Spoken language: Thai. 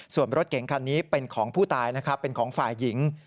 ส่วนรถเก๋งคันนี้เป็นของผู้ตายนะครับเป็นของฝ่ายหญิง